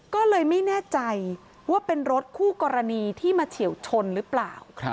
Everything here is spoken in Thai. ก็เลยไม่แน่ใจว่าเป็นรถคู่กรณีที่มาเฉียวชนหรือเปล่า